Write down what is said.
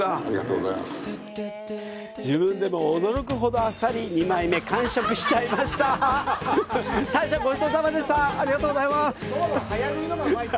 自分でも驚くほどあっさり２枚目、完食しちゃいました。